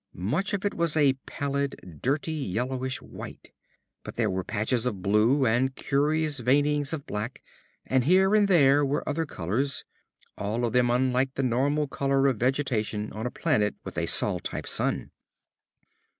Much of it was a pallid, dirty yellowish white. But there were patches of blue, and curious veinings of black, and here and there were other colors, all of them unlike the normal color of vegetation on a planet with a sol type sun.